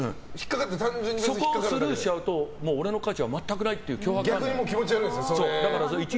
そこをスルーしちゃうと俺の価値は全くないっていう強迫観念がある。